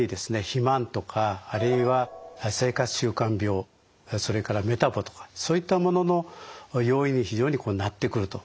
肥満とかあるいは生活習慣病それからメタボとかそういったものの要因に非常になってくると。